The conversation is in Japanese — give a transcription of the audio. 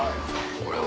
これは。